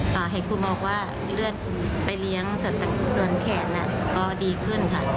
เห็นคุณหมอบอกว่าเลือดไปเลี้ยงส่วนแขนก็ดีขึ้นค่ะ